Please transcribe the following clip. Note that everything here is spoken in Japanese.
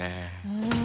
うん。